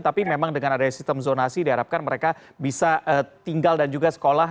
tapi memang dengan adanya sistem zonasi diharapkan mereka bisa tinggal dan juga sekolah